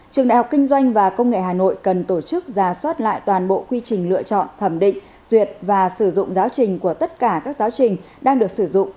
trường đại học kinh doanh và công nghệ hà nội cần tổ chức ra soát lại toàn bộ quy trình lựa chọn thẩm định duyệt và sử dụng giáo trình của tất cả các giáo trình đang được sử dụng